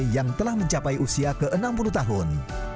yang telah mencapai usia ke enam puluh tahun